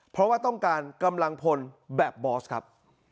เพราะว่าต้องการกำลังพลแบบบอสครับ